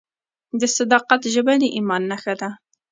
د صداقت ژبه د ایمان نښه ده.